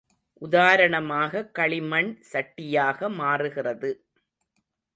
உதாரணமாக களிமண், சட்டியாக மாறுகிறது.